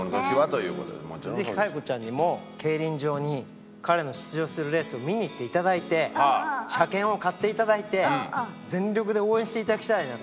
ぜひ佳代子ちゃんにも競輪場に彼の出場するレースを見に行っていただいて車券を買っていただいて全力で応援していただきたいなと。